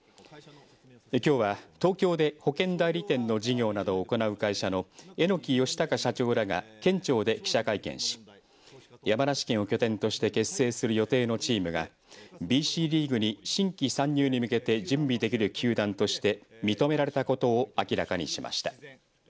きょうは東京で保険代理店の事業などを行う会社の榎良尚社長らが県庁で記者会見し山梨県を拠点として結成する予定のチームがＢＣリーグに新規参入に向けて準備できる球団として認められたことを明らかにしました。